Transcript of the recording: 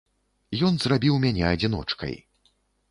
Ён зрабіў мяне адзіночкай.